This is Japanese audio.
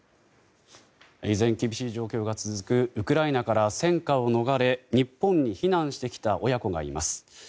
依然、厳しい状況が続くウクライナから戦禍を逃れ日本に避難してきた親子がいます。